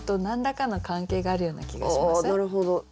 なるほど。